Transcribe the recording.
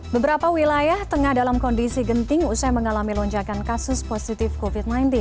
beberapa wilayah tengah dalam kondisi genting usai mengalami lonjakan kasus positif covid sembilan belas